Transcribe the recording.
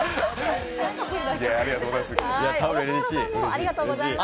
ありがとうございます。